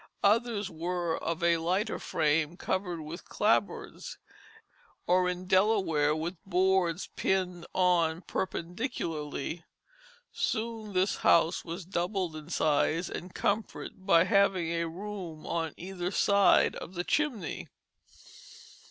Others were of a lighter frame covered with clapboards, or in Delaware with boards pinned on perpendicularly. Soon this house was doubled in size and comfort by having a room on either side of the chimney.